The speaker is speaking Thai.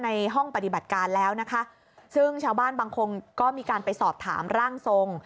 ในห้องปฏิบัติการแล้วนะคะซึ่งชาวบ้านบางคนก็มีการไปสอบถามร่างทรง